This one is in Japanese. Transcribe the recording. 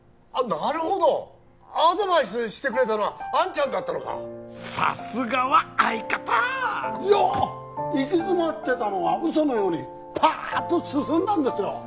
なるほどアドバイスしてくれたのはあんちゃんだったのかさすがは相方いやあ行き詰まってたのが嘘のようにパーッと進んだんですよ